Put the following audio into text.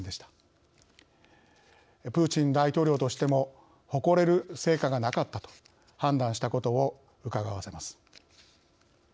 プーチン大統領としても誇れる「成果」がなかったと判断したことをうかがわせます。